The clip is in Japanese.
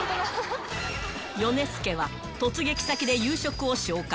ヨネスケは突撃先で夕食を紹介。